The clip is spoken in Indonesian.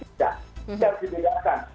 itu harus dibebaskan